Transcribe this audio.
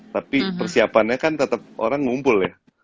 tapi persiapannya kan tetap orang ngumpul ya